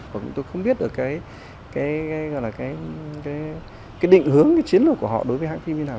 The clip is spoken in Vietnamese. và chúng tôi không biết được cái định hướng cái chiến lược của họ đối với hãng phim như nào